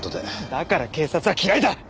だから警察は嫌いだ！